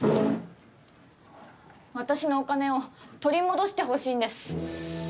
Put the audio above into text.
私のお金を取り戻してほしいんです。